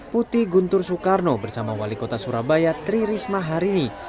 putih guntur soekarno bersama wali kota surabaya tri risma hari ini